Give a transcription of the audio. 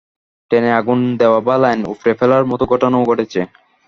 ট্রেনে আগুন দেওয়া বা লাইন উপড়ে ফেলার মতো ঘটনাও ঘটছে।